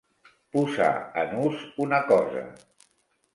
Posar en ús una cosa.